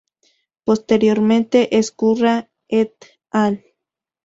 Posteriormente Ezcurra "et al.